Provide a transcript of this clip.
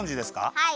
はい！